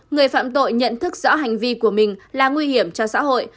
người phạm tội nhận thức rõ hành vi của mình là nguy hiểm cho xã hội